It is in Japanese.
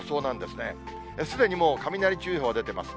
すでにもう雷注意報が出てます。